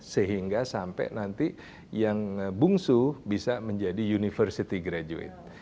sehingga sampai nanti yang bungsu bisa menjadi university graduate